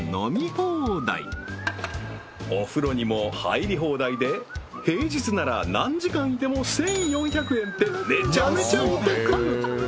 放題お風呂にも入り放題で平日なら何時間いても１４００円ってめちゃめちゃお得！